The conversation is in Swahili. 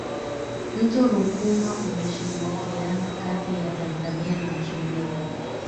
Mto Ruvuma una shirikiana kati ya Tanzania na Msumbiji